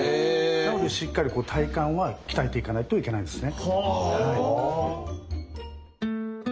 なのでしっかり体幹は鍛えていかないといけないんですね。